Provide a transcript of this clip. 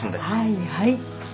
はいはい。